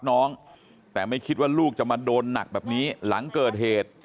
น้องแต่ไม่คิดว่าลูกจะมาโดนหนักแบบนี้หลังเกิดเหตุ